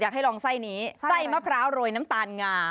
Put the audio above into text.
ให้ลองไส้นี้ไส้มะพร้าวโรยน้ำตาลงา